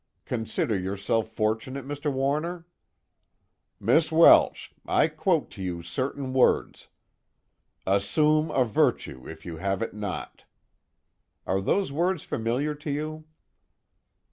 Consider yourself fortunate. Mr. Warner?" "Miss Welsh, I quote to you certain words: 'Assume a virtue if you have it not.' Are those words familiar to you?"